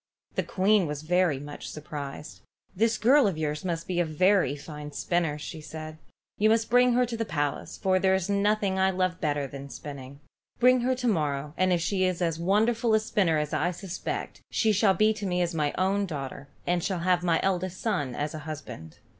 The Queen was very much surprised. "This girl of yours must be a very fine spinner," she said. "You must bring her to the palace, for there is nothing I love better than spinning. Bring her to morrow, and if she is as wonderful a spinner as I suspect, she shall be to me as my own daughter, and shall have my eldest son as a husband."